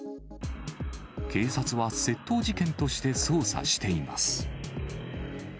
警察は窃盗事件として捜査しています。